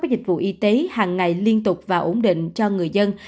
các dịch vụ y tế hàng ngày liên tục và ổn định cho người dân